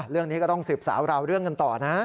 เรื่องนี้ก็ต้องสืบสาวราวเรื่องกันต่อนะ